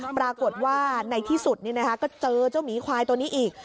ปรากฏว่าในที่สุดก็เจอเจ้าหมีควายตัวนี้อีก